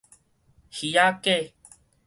魚仔粿